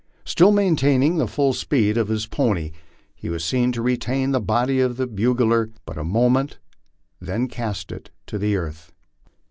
Still maintaining the full speed of his pony, he was seen to retain the body of the bugler but a moment, then cast it to the earth.